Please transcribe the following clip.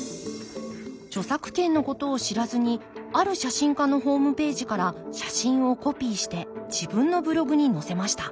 著作権のことを知らずにある写真家のホームページから写真をコピーして自分のブログに載せました。